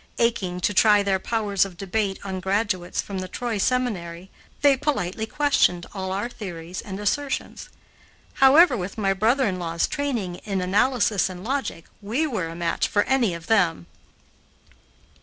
Aching to try their powers of debate on graduates from the Troy Seminary, they politely questioned all our theories and assertions. However, with my brother in law's training in analysis and logic, we were a match for any of them.